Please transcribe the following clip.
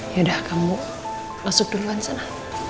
ya udah kamu masuk duluan sana